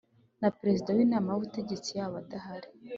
na Perezida w inama y ubutegetsi yaba adahari